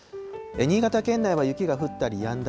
新潟県内は雪が降ったりやんだり。